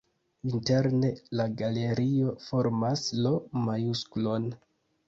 Interne la galerio formas L-majusklon.